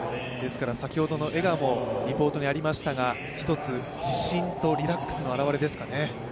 先ほどの笑顔もリポートにありましたが、一つ自信とリラックスの表れですかね。